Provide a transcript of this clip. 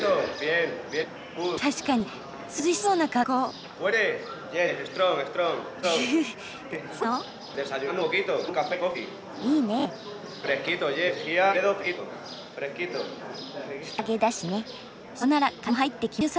確かに涼しそうな格好。